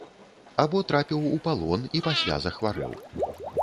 Або трапіў у палон і пасля захварэў.